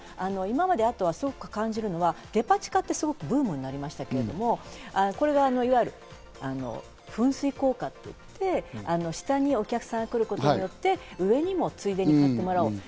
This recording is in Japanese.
すごく感じるのは、デパ地下ってブームになりましたけど、これはいわゆる風水効果といって、下にいるお客さんが来ることによって、上でもついでに買ってもらおうと。